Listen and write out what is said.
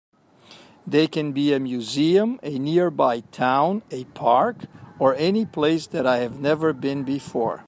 They can be a museum, a nearby town, a park, or any place that I have never been before.